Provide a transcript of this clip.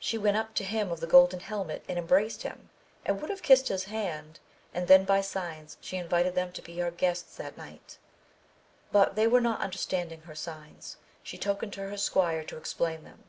She went up to him of the golden helmet and embraced him, and would have kissed his hand, and then by signs she invited them to be her guests that night, but they not understanding her signs she tokened to her squire to explain them.